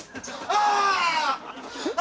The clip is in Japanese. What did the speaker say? ああ！